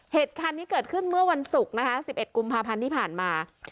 เหตุการณ์นี้เกิดขึ้นเมื่อวันศุกร์นะคะ๑๑กุมภาพันธ์ที่ผ่านมา